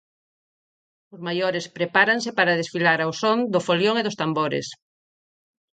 Os maiores prepáranse para desfilar ao son do folión e dos tambores.